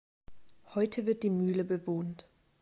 Heute wird die Mühle bewohnt.